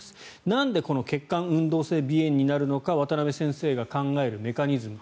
なんで血管運動性鼻炎になるのか渡邊先生が考えるメカニズム。